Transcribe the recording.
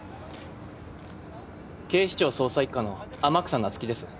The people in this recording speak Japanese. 警視庁捜査一課の天草那月です。